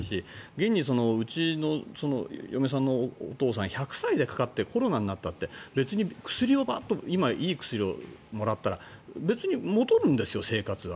現にうちの嫁さんのお父さん１００歳でかかってコロナになったって別に薬を今、いい薬をもらったら別に戻るんですよ、生活は。